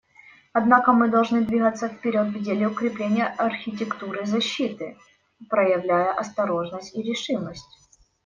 Однако мы должны двигаться вперед в деле укрепления архитектуры защиты, проявляя осторожность и решимость.